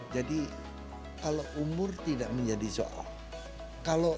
jadi kalau umur tidak menjadi soal